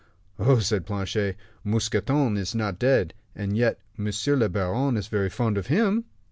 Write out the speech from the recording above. "Oh," said Planchet, "Mousqueton is not dead, and yet monsieur le baron is very fond of him."